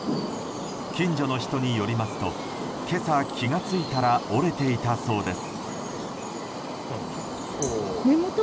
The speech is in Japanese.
近所の人によりますと今朝、気が付いたら折れていたそうです。